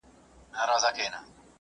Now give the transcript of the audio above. ژوند ډېر قیمتي دی.